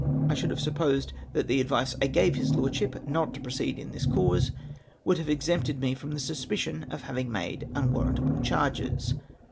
I should have sup posed that the advice I gave his Lordship, not to proceed in this cause, would have exempted me from the suspicion of having made unwarrantable charges.